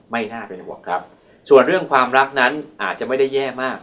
ไม่น่าเป็นห่วงครับส่วนเรื่องความรักนั้นอาจจะไม่ได้แย่มาก